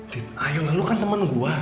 dede ayolah lu kan temen gue